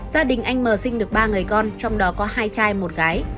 gia đình anh m sinh được ba người con trong đó có hai trai một gái